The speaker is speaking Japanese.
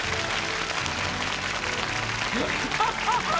ハハハハハ。